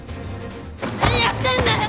何やってんだよ！